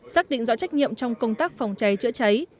xác định rõ trách nhiệm trong công tác phòng cháy chữa cháy